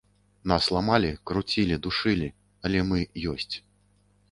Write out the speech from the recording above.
Нас ламалі, круцілі, душылі, але мы ёсць.